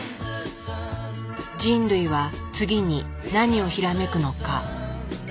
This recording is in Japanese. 人類は次に何をひらめくのか。